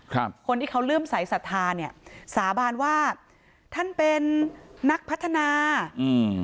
คนที่เขาเลื่อมใสสัทธาเนี้ยสาบานว่าท่านเป็นนักพัฒนาอืม